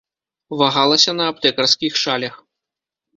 Вагалася на аптэкарскіх шалях.